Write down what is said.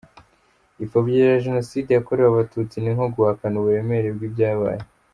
Ipfobya rya Jenoside yakorewe Abatutsi ni nko guhakana uburemere bw’ibyabaye.